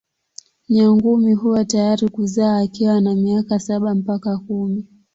Nyangumi huwa tayari kuzaa wakiwa na miaka saba mpaka kumi.